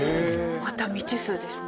また未知数ですね。